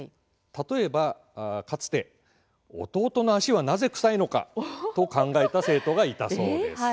例えば、かつて「弟の足はなぜ臭いのか？」と考えた生徒がいたそうです。